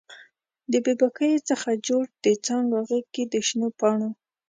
د بې باکیو څخه جوړ د څانګو غیږ کې د شنو پاڼو